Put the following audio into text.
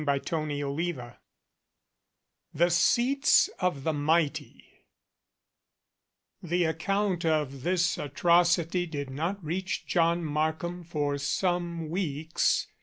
304 CHAPTER XXVII THE SEATS OF THE MIGHTY THE account of this atrocity did not reach John Markham for some weeks.